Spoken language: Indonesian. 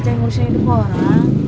jangan ngurusin ini ke orang